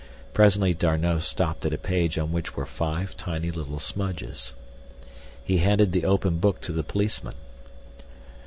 Presently D'Arnot stopped at a page on which were five tiny little smudges. He handed the open book to the policeman.